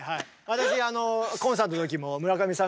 私コンサートの時も村上さん